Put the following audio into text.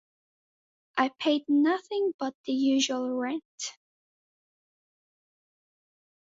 I paid nothing but the usual rent.